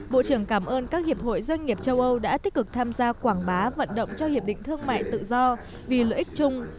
bộ trưởng cảm ơn các hiệp hội doanh nghiệp châu âu đã tích cực tham gia quảng bá vận động cho hiệp định thương mại tự do vì lợi ích chung